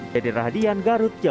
dari radian garut